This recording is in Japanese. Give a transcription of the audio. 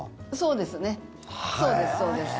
そうです、そうです。